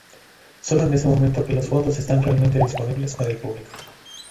Sólo en ese momento que los fondos están realmente disponibles para el público.